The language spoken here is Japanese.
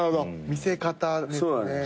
見せ方ですね。